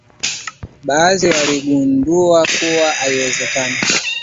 baadhi waligundua kuwa haiwezekani